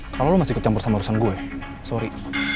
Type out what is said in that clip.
kalau lo masih ikut campur sama urusan gue sorry